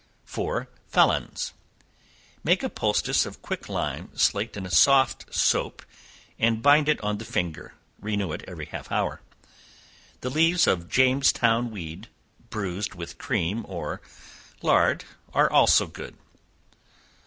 For Felons. Make a poultice of quick lime slaked in soft soap, and bind it on the finger; renew it every half hour. The leaves of Jamestown weed, bruised with cream or lard, are also good.